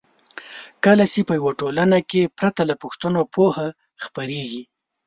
کله چې په یوه ټولنه کې پرته له پوښتنو پوهه خپریږي.